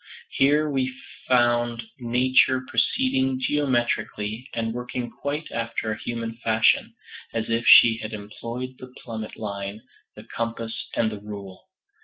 Here we found Nature proceeding geometrically, and working quite after a human fashion, as if she had employed the plummet line, the compass and the rule.